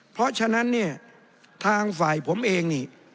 เพราะฉะนั้นเนี่ยทางฝ่ายผมเองนี่